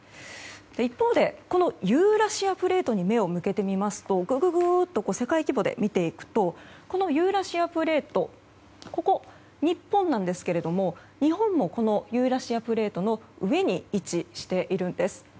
一方で、ユーラシアプレートに目を向けてみますとググっと世界規模で見ていくとユーラシアプレートはここ、日本なんですけれども日本もユーラシアプレートの上に位置しているんです。